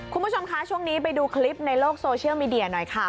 คุณผู้ชมคะช่วงนี้ไปดูคลิปในโลกโซเชียลมีเดียหน่อยค่ะ